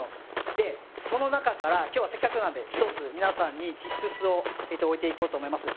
でその中から今日はせっかくなんで１つ皆さんにＴＩＰＳをおいていこうと思います。